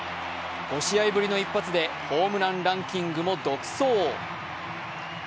５試合ぶりの一発でホームランランキングも独走。